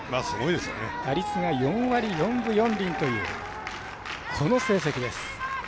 打率が４割４分４厘というこの成績です。